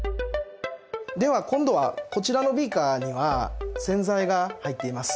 では今度はこちらのビーカーには洗剤が入っています。